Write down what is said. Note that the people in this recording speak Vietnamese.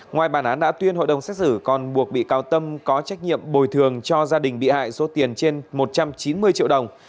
ngoài bản án đã tuyên hội đồng xét xử còn buộc bị cáo tâm có trách nhiệm bồi thường cho gia đình bị hại số tiền trên một trăm chín mươi triệu đồng